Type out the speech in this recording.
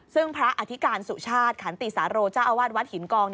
ซึ่งพระอธิการสุชาติขันติสาโรเจ้าอาวาสวัดหินกอง